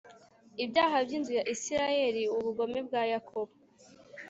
Ibyaha By Inzu Ya Isirayeli Ubugome Bwa Yakobo